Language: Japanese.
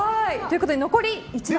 残り１番。